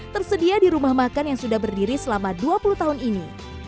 tersedia di rumah makan yang sudah berdiri selama dua puluh tahun ini